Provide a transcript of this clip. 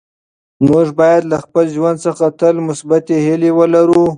موږ باید له خپل ژوند څخه تل مثبتې هیلې ولرو.